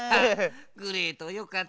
グレートよかったね。